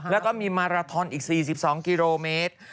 แล้วก็มีมาราทอนอีก๔๒กิโลเมตร